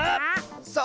そう！